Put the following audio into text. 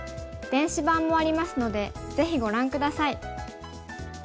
電子版もありますのでぜひご覧下さい。